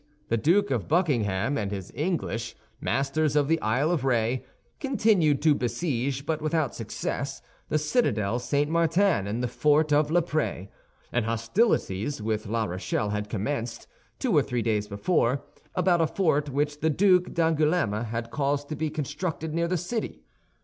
The Duke of Buckingham and his English, masters of the Isle of Ré, continued to besiege, but without success, the citadel St. Martin and the fort of La Prée; and hostilities with La Rochelle had commenced, two or three days before, about a fort which the Duc d'Angoulême had caused to be constructed near the city.